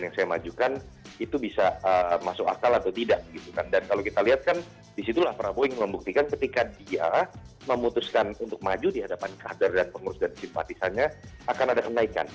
dan kalau kita lihat kan di situ lah prabowo ingin membuktikan ketika dia memutuskan untuk maju di hadapan kader dan pengurus dan simpatisannya akan ada kenaikan